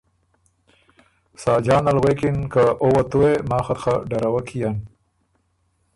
ساجان ال غوېکِن که او وه تُو هې ماخت خه ډروک يېن